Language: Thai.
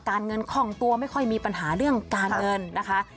เงินคล่องตัวไม่ค่อยมีปัญหาเรื่องการเงินนะคะ